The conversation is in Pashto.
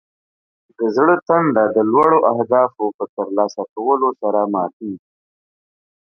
د زړه تنده د لوړو اهدافو په ترلاسه کولو سره ماته کیږي.